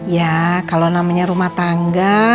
ya kalau namanya rumah tangga